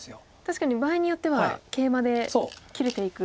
確かに場合によってはケイマで切れていく。